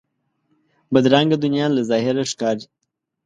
بدرنګه دنیا له ظاهره ښکاري